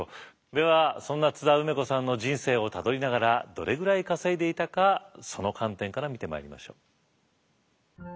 ではそんな津田梅子さんの人生をたどりながらどれぐらい稼いでいたかその観点から見てまいりましょう。